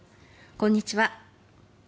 こんにちは。